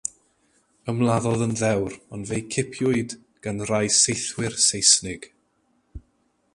Ymladdodd yn ddewr ond fe'i cipiwyd gan rai saethwyr Saesnig.